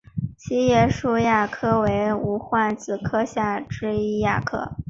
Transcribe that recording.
七叶树亚科为无患子科下之一亚科。